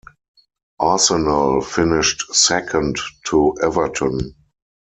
Arsenal finished second to Everton.